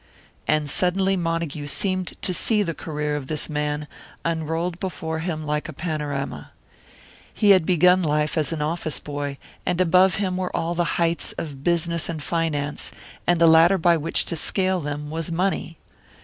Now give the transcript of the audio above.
And suddenly Montague seemed to see the career of this man, unrolled before him like a panorama. He had begun life as an office boy; and above him were all the heights of business and finance; and the ladder by which to scale them was money.